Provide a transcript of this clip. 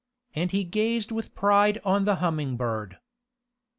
And he gazed with pride on the Humming Bird.